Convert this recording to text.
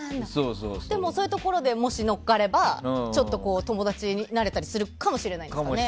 そういうところでもし乗っかればちょっと友達になれたりするかもしれないですね。